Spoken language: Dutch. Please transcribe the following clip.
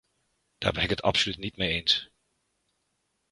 Daar ben ik het absoluut niet mee eens.